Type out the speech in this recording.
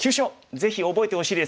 ぜひ覚えてほしいです。